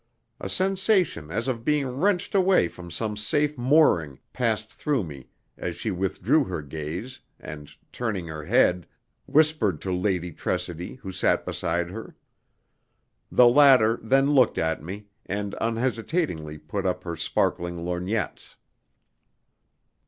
A sensation as of being wrenched away from some safe mooring passed through me as she withdrew her gaze, and, turning her head, whispered to Lady Tressidy, who sat beside her. The latter then looked at me, and unhesitatingly put up her sparkling lorgnettes.